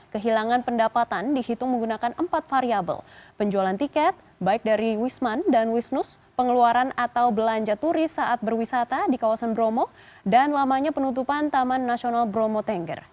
kehilangan pendapatan dihitung menggunakan empat variable penjualan tiket baik dari wisman dan wisnus pengeluaran atau belanja turis saat berwisata di kawasan bromo dan lamanya penutupan taman nasional bromo tengger